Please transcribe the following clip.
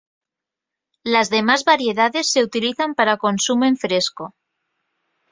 Las demás variedades se utilizan para consumo en fresco.